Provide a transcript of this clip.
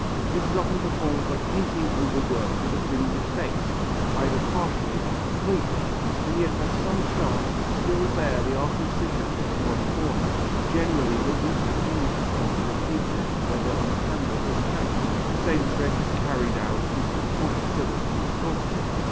This is often performed by painting over works that have been defaced, either partially or completely, and yet by some chance still bear the artist's signature in one corner generally the least abused spot of a painting whether on canvas or panel. The same trick is carried out with equal facility in sculpture.